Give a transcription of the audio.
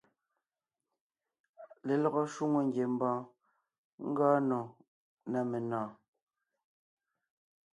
Lelɔgɔ shwòŋo ngiembɔɔn ngɔɔn nò ná menɔ̀ɔn.